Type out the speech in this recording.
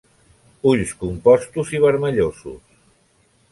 Ulls compostos i vermellosos.